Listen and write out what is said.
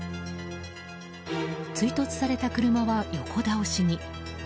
追突された車は横倒しに。